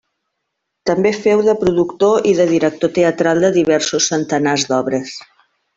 També feu de productor i de director teatral de diversos centenars d'obres.